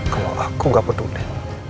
kalau aku gak peduli